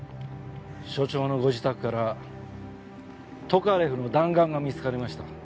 署長のご自宅からトカレフの弾丸が見つかりました。